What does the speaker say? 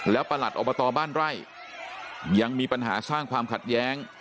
แล้วประหลัดอบตบ้านไร่ยังมีปัญหาสร้างความขัดแย้ง